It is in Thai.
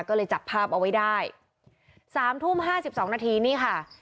ก็เลยจับภาพเอาไว้ได้สามทุ่มห้าสิบสองนาทีนี่ค่ะ